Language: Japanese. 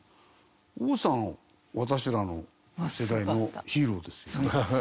王さん私らの世代のヒーローですもんね。